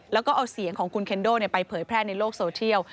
แล้วก็เอาเสียงของคุณเคนโดไปเผยแพร่ในโลกโซเชียล